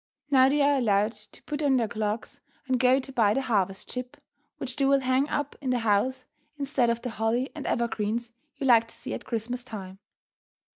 Now they are allowed to put on their clogs and go to buy the "harvest ship," which they will hang up in the house instead of the holly and evergreens you like to see at Christmas time.